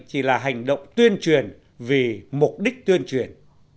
chỉ là hành động tuyên truyền vì mục đích tuyên truyền